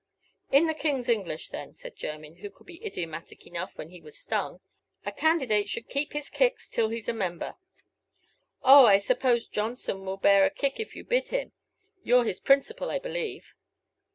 "In the King's English, then," said Jermyn, who could be idiomatic enough when he was stung, "a candidate should keep his kicks till he's a member." "Oh, I suppose Johnson will bear a kick if you bid him. You're his principal, I believe."